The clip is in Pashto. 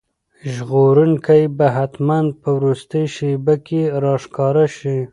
ژغورونکی به حتماً په وروستۍ شېبه کې راښکاره شي.